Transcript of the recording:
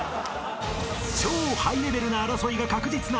［超ハイレベルな争いが確実な］